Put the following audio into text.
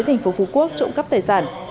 thành phố phú quốc trộm cắp tài sản